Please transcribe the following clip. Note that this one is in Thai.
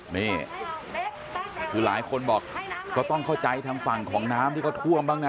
นี่คือหลายคนบอกก็ต้องเข้าใจทางฝั่งของน้ำที่เขาท่วมบ้างนะ